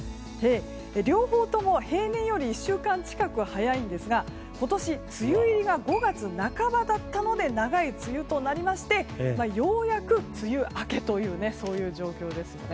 両方とも平年より１週間近く早いんですが今年、梅雨入りが５月半ばだったので長い梅雨となりましてようやく、梅雨明けという状況ですよね。